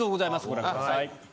ご覧ください。